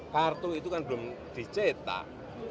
kartu itu kan belum dicetak